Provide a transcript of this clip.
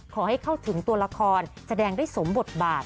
ขอให้เข้าถึงตัวละครแสดงได้สมบทบาท